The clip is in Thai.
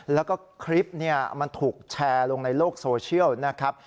แล้วก็คลิปมันถูกแชร์ลงในโลกโซเชียลนะครับ